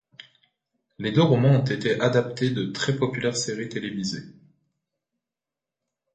Les deux romans ont été adaptés dans de très populaires séries télévisées.